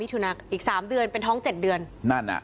อีก๓เดือนเป็นท้อง๗เดือน